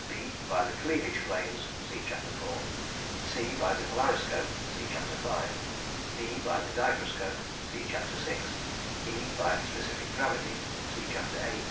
(b) by the cleavage planes (see Chapter IV.); (c) by the polariscope (see Chapter V.); (d) by the dichroscope (see Chapter VI.); (e) by specific gravity (see Chapter VIII.)